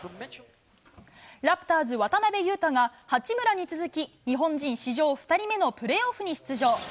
ラプターズ、渡邊雄太が八村に続き、日本人史上２人目のプレーオフに出場。